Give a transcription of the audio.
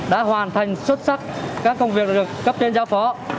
đã hoàn thành xuất sắc các công việc được cấp trên giao phó